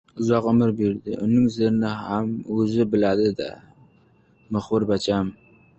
Uzoq umr berdi, uning sirini ham o‘zi biladi-da, muxbir bacham.